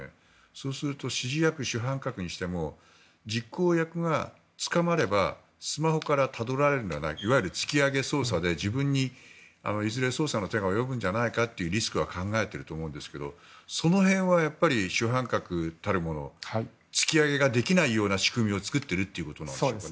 そうすると指示役、主犯格にしても実行役が、捕まればスマホからたどられるいわゆる突き上げ捜査で自分にいずれ捜査の手が及ぶんじゃないかというリスクは考えてると思うんですがその辺は、主犯格たるもの突き上げができない仕組みを作っているということですか。